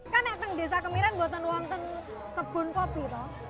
kan datang ke desa kemiran buat mencari kebun kopi